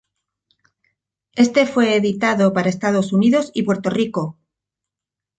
Este fue editado para Estados Unidos y Puerto Rico.